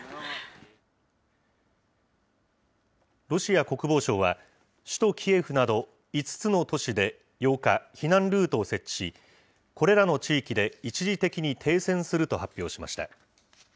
ロシア国防省は、首都キエフなど、５つの都市で８日、避難ルートを設置し、これらの地域で一時的に停戦すると発表しました。